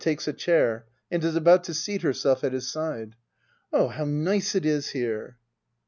[Takes a chair and is about to seat herself at his side.'\ Oh, how nice it is here